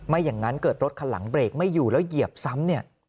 อย่างนั้นเกิดรถคันหลังเบรกไม่อยู่แล้วเหยียบซ้ำเนี่ย